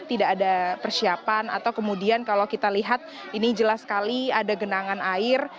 tidak ada persiapan atau kemudian kalau kita lihat ini jelas sekali ada genangan air